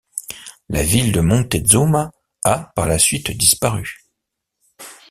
La ville de Montezuma a par la suite disparu.